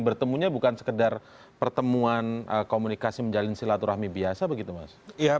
bertemunya bukan sekedar pertemuan komunikasi menjalin silaturahmi biasa begitu mas